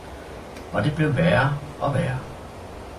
og det blev værre og værre.